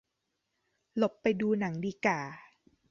หลบไปดูหนังดีก่า